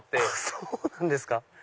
そうなんですか？